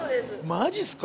マジっすか！？